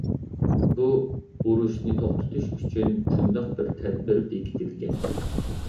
بۇ ئۇرۇشنى توختىتىش ئۈچۈن شۇنداق بىر تەدبىر بېكىتىلگەن.